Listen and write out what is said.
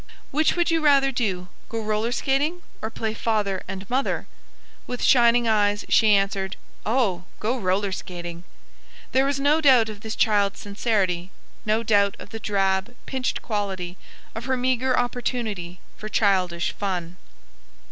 "Which would you rather do, go roller skating or play 'father and mother?'" With shining eyes she answered, "Oh, go roller skating!" There was no doubt of this child's sincerity, no doubt of the drab, pinched quality of her meager opportunity for childish fun.